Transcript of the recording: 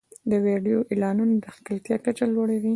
د ویډیو اعلانونه د ښکېلتیا کچه لوړوي.